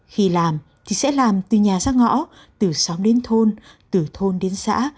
khi làm thì sẽ làm từ nhà ra ngõ từ xóm đến thôn từ thôn đến xã